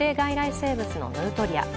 生物のヌートリア。